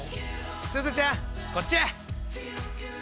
すずちゃんこっちや！